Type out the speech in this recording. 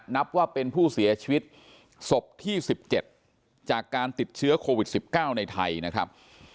นับว่าเป็นผู้เสียชีวิตศพที่๑๗จากการติดเชื้อโควิด๑๙ในไทยนะครับ